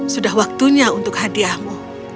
sudah waktunya untuk hadiahmu